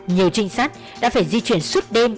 nhiều trinh sát đã phải di chuyển suốt đêm